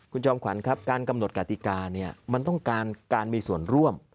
คุณจอมขวัญครับการกำหนดกติกาเนี่ยมันต้องการการมีส่วนร่วม